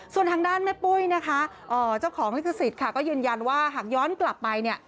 ส่วนทางด้านแม่ปุ้ยนะคะเจ้าของลิขสิทธิ์ค่ะก็ยืนยันว่าหากย้อนกลับไปเนี่ย